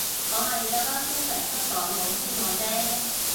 我係覺得中殖香港冇希望啫